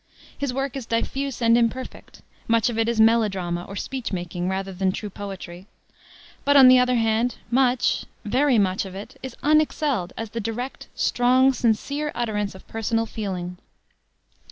His work is diffuse and imperfect; much of it is melodrama or speech making rather than true poetry. But on the other hand, much, very much of it, is unexcelled as the direct, strong, sincere utterance of personal feeling.